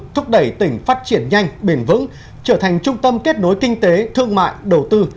thúc đẩy tỉnh phát triển nhanh bền vững trở thành trung tâm kết nối kinh tế thương mại đầu tư